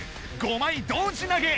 ５枚同時投げ！